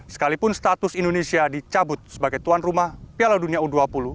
sekalipun status indonesia dicabut sebagai tuan rumah piala dunia u dua puluh